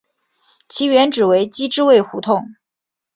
其原址为机织卫胡同。